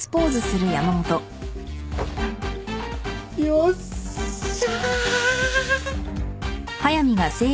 よっしゃ。